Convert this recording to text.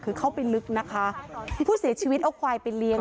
คือเข้าไปลึกนะคะผู้เสียชีวิตเอาควายไปเลี้ยง